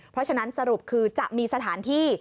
เพราะฉะนั้นสรุปคือจะมีสถานที่